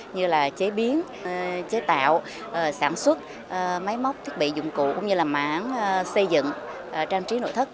như là chế biến chế tạo sản xuất máy móc thiết bị dụng cụ cũng như là mảng xây dựng trang trí nội thất